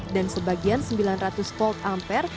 dan sebagian sembilan ratus v ampere